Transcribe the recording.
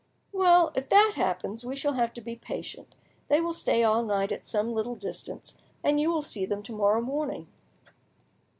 "Well, if that happens, we shall have to be patient; they will stay all night at some little distance, and you will see them to morrow morning."